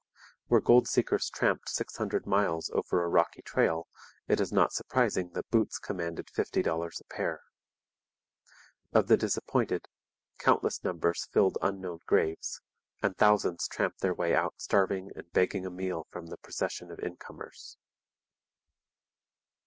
Where gold seekers tramped six hundred miles over a rocky trail, it is not surprising that boots commanded fifty dollars a pair. Of the disappointed, countless numbers filled unknown graves, and thousands tramped their way out starving and begging a meal from the procession of incomers.